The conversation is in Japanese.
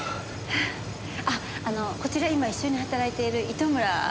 あっあのこちら今一緒に働いている糸村君。